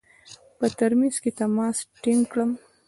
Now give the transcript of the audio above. په ترمیز کې تماس ټینګ کړم.